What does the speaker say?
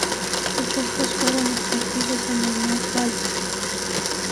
Sus restos fueron esparcidos en el Mar Báltico.